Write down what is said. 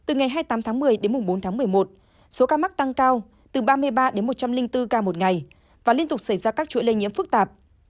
từ ngày hai mươi tám tháng một mươi đến bốn tháng một mươi một số ca mắc tăng cao từ ba mươi ba đến một trăm linh bốn ca một ngày và liên tục xảy ra các chuỗi lây nhiễm phức tạp